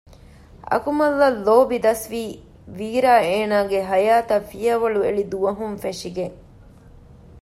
އަކުމަލްއަށް ލޯބި ދަސްވީ ވީރާ އޭނާގެ ހަޔާތަށް ފިޔަވަޅުއެޅި ދުވަހުން ފެށިގެން